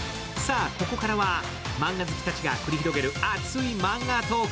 さあここからはマンガ好きたちが繰り広げる熱いマンガトーク。